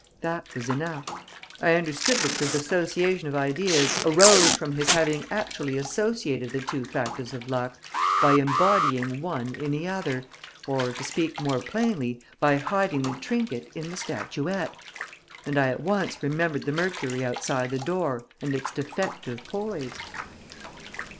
That was enough. I understood that this association of ideas arose from his having actually associated the two factors of luck by embodying one in the other, or, to speak more plainly, by hiding the trinket in the statuette. And I at once remembered the Mercury outside the door and its defective poise...."